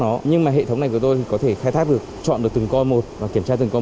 nó nhưng mà hệ thống này của tôi có thể khai thác được chọn được từng coi một và kiểm tra từng công